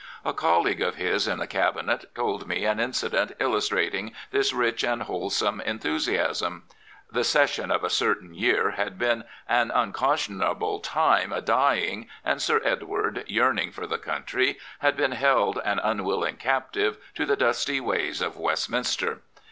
A colleague of his in the Cabinet told me an incident illustrating this rich and wholesome enthusiasm. The Session of a certain year had been an unconscionable time a dying, and Sir Edward, yearning for the country, had been held an unwilling captive to the dusty ways of Westminster.